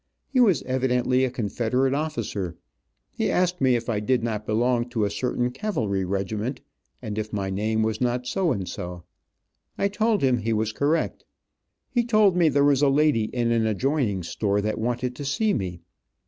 He was evidently a Confederate officer. He asked me if I did not belong to a certain cavalry regiment, and if my name was not so and so. I told him he was correct. He told me there was a lady in an adjoining store that wanted to see me.